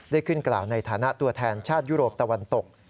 ได้ขึ้นกล่าวในฐานะตัวแทนชาติยุโรปตะวันตก